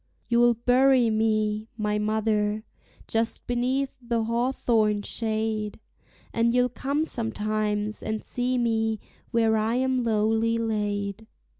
You'll bury me, my mother, just beneath the hawthorn shade, And you'll come sometimes and see me where I am lowly laid.